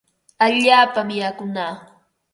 Allaapami yakunaa.